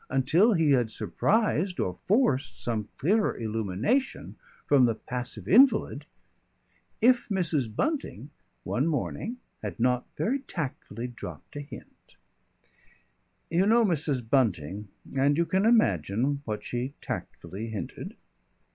until he had surprised or forced some clearer illumination from the passive invalid, if Mrs. Bunting one morning had not very tactfully dropped a hint. You know Mrs. Bunting, and you can imagine what she tactfully hinted.